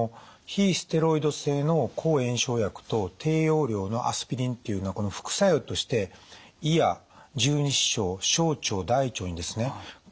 非ステロイド性の抗炎症薬と低用量のアスピリンっていうのは副作用として胃や十二指腸・小腸・大腸にですね